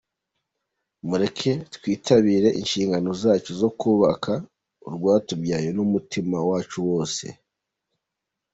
Mureke twitabire inshingano zacu zo kubaka urwatubyaye n’umutima wacu wose.